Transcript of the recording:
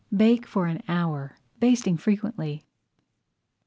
Bake for an hour, basting frequently.